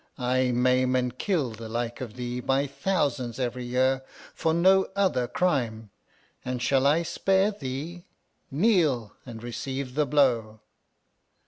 I maim and kill the like of thee by thousands every year, for no other crime. And shall I spare thee? Kneel and receive the blow.